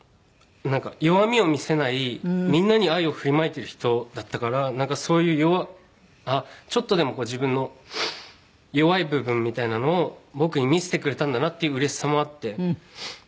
弱みを見せないみんなに愛を振りまいている人だったからなんかそういうちょっとでも自分の弱い部分みたいなのを僕に見せてくれたんだなっていううれしさもあって。